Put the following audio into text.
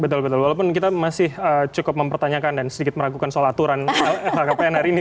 betul betul walaupun kita masih cukup mempertanyakan dan sedikit meragukan soal aturan lhkpn hari ini